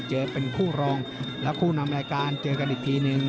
เจอเป็นคู่รองแล้วคู่นำรายการเจอกันอีกทีนึง